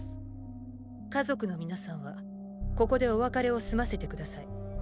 家族の皆さんはここでお別れを済ませて下さい。